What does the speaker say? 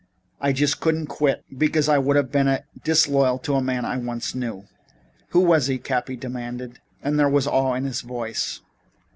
I just couldn't quit because that would have been disloyal to a man I once knew." "Who was he?" Cappy demanded, and there was awe in his voice.